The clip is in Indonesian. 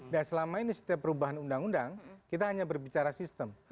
dan selama ini setiap perubahan undang undang kita hanya berbicara sistem